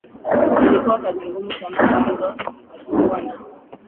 ilikuwa kazi ngumu sana kwamba hatukuwa na